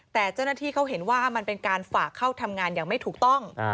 แต่เจ้าหน้าที่เขาเห็นว่ามันเป็นการฝากเข้าทำงานอย่างไม่ถูกต้อง